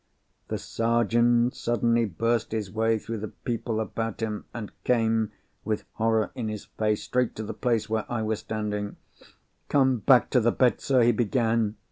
The Sergeant suddenly burst his way through the people about him, and came, with horror in his face, straight to the place where I was standing. "Come back to the bed, sir!" he began.